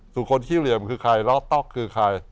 ส่วนคนขี้เหลี่ยมคือใครล้อต๊อกคือใคร